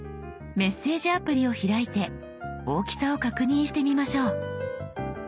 メッセージアプリを開いて大きさを確認してみましょう。